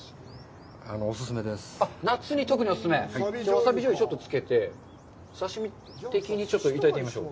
ワサビ醤油にちょっとつけて、刺身的にちょっといただいてみましょう。